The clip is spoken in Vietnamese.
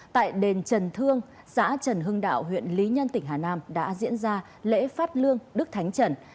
tại đền trần thương xã trần hưng đạo huyện lý nhân tỉnh hà nam đã diễn ra lễ phát lương đức thánh trần